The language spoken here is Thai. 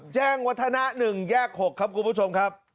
แจ้งวัฒนะ๑แยก๖ครับคุณผู้ชมครับ